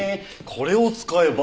これを使えば。